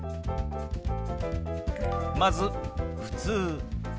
まず「ふつう」。